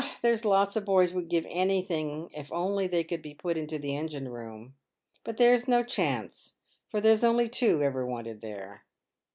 there's lots of boys would give anything if they could get put into the engine room, but there's no chance, for there's only two ever wanted there."